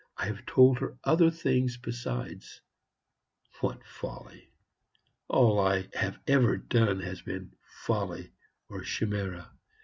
I have told her other things besides. What folly! All I have ever done has been folly or chimera.